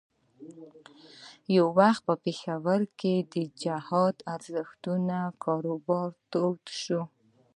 یو وخت په پېښور کې د جهاد ارزښتونو کاروبار تود شو.